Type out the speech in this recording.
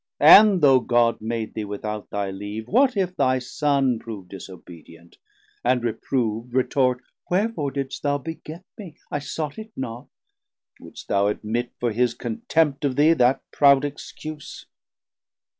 and though God Made thee without thy leave, what if thy Son 760 Prove disobedient, and reprov'd, retort, Wherefore didst thou beget me? I sought it not: Wouldst thou admit for his contempt of thee That proud excuse?